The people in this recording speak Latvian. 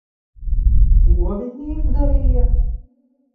Ko viņi izdarīja?